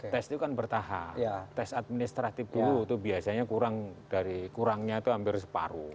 tes itu kan bertahap tes administratif dulu itu biasanya kurang dari kurangnya itu hampir separuh